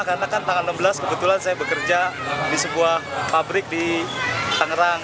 karena kan tanggal enam belas kebetulan saya bekerja di sebuah pabrik di tangerang